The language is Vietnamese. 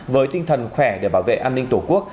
với tinh thần khỏe để bảo vệ an ninh tổ quốc